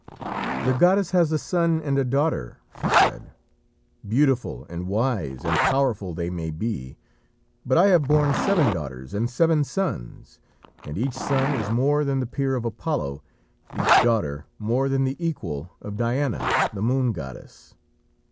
"The goddess has a son and a daughter," she said. "Beautiful and wise and powerful they may be, but I have borne seven daughters and seven sons, and each son is more than the peer of Apollo, each daughter more than the equal of Diana, the moon goddess!"